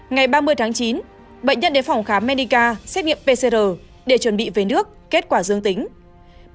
ngày ba mươi tháng chín bệnh nhân đến phòng khám menica xét nghiệm pcr để chuẩn bị về nước kết quả dương tính